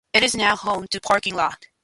It is now home to a parking lot.